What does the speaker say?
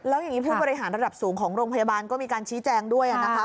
แล้วอย่างนี้ผู้บริหารระดับสูงของโรงพยาบาลก็มีการชี้แจงด้วยนะคะ